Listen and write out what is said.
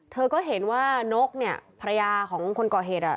เธอก็เห็นว่านกเนี่ยภรรยาของคนก่อเหตุอ่ะ